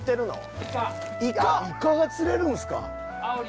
イカが釣れるんですか？